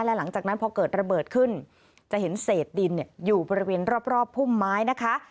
และหลังจากนั้นพอเกิดระเบิดขึ้นจะเห็นเศษดินอยู่บริเวณรอบพุ่มไม้นะคะ